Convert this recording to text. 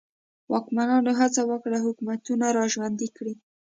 واکمنانو هڅه وکړه حکومتونه را ژوندي کړي.